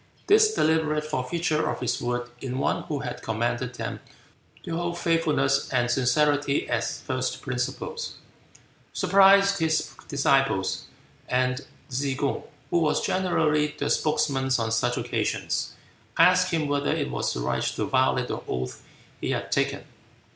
This deliberate forfeiture of his word in one who had commanded them to "hold faithfulness and sincerity as first principles," surprised his disciples; and Tsze kung, who was generally the spokesman on such occasions, asked him whether it was right to violate the oath he had taken.